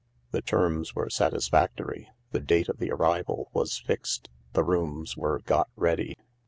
The terms were satisfactory, the date of the arrival was fixed, the rooms were got ready.